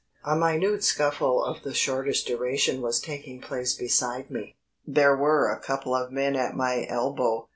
A minute scuffle of the shortest duration was taking place beside me. There were a couple of men at my elbow.